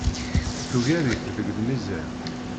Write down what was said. Tugar-it deg lmizan.